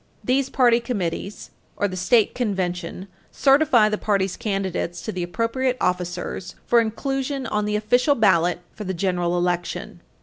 These party committees or the state convention certify the party's candidates to the appropriate officers for inclusion on the official ballot for the general election.